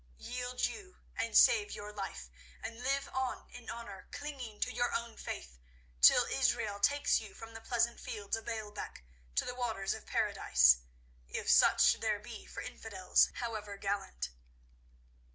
Yield you, and save your life, and live on in honour, clinging to your own faith, till Azrael takes you from the pleasant fields of Baalbec to the waters of Paradise—if such there be for infidels, however gallant.